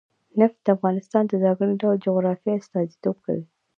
نفت د افغانستان د ځانګړي ډول جغرافیه استازیتوب کوي.